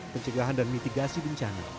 pencegahan dan mitigasi bencana